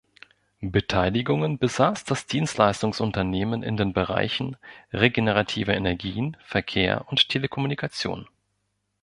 Beteiligungen besaß das Dienstleistungsunternehmen in den Bereichen regenerative Energien, Verkehr und Telekommunikation.